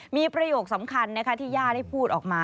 มีประโยคสำคัญที่ย่าได้พูดออกมา